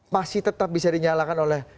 masih tetap bisa dinyalakan oleh